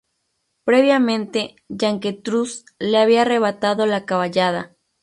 Previamente Yanquetruz le había arrebatado la caballada.